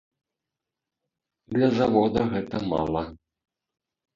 Для завода гэта мала.